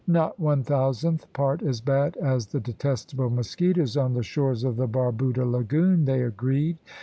Not one thousandth part as bad as the detestable mosquitoes on the shores of the Barbuda lagoon, they agreed.